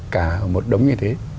cả một đống như thế